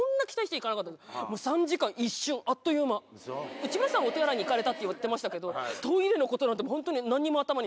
内村さんはお手洗いに行かれたって言ってましたけどトイレのことなんて本当に何にも頭にない。